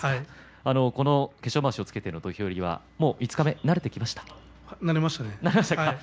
この化粧まわしをつけての土俵入りは五日目ですが慣れました。